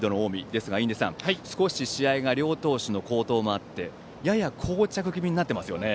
ですが、印出さん少し試合が両投手の好投もあってややこう着気味になっていますね。